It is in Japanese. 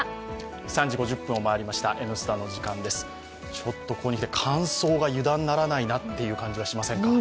ちょっとここに来て乾燥が油断ならないなという感じがしませんか？